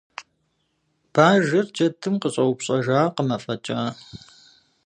Бажэр джэдым къыщӏэупщӏэжакъым афӏэкӏа.